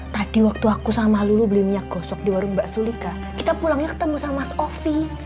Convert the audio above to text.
tadi waktu aku sama lulu beli minyak gosok di warung bak sulika kita pulangnya ketemu sama mas ovi